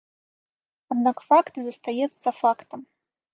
Аднак факт застаецца фактам.